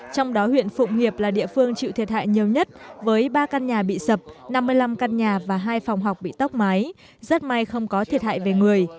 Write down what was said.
trong đó huyện phụng hiệp là địa phương chịu thiệt hại nhiều nhất với ba căn nhà bị sập năm mươi năm căn nhà và hai phòng học bị tốc mái rất may không có thiệt hại về người